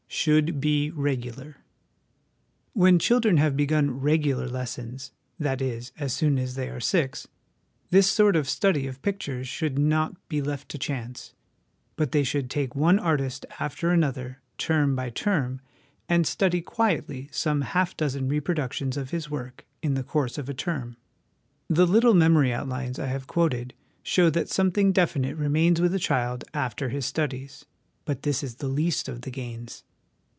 Should be Regular. When children have begun regular lessons (that is, as soon as they are six), this sort of study of pictures should not LESSONS AS INSTRUMENTS OF EDUCATION 309 be left to chance, but they should take one artist after another, term by term, and study quietly some half dozen reproductions of his work in the course of a term. The little memory outlines I have quoted show that something definite remains with a child after his studies ; but this is the least of the gains.